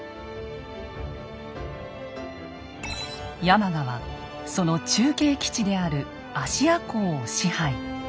山鹿はその中継基地である芦屋港を支配。